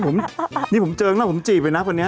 เฮ้ยนี่ผมเจิงนะผมจีบไปนะคนเนี้ย